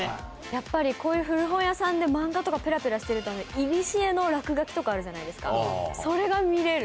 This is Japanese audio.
やっぱりこういう古本屋さんで漫画とかペラペラしてると。とかあるじゃないですかそれが見れる。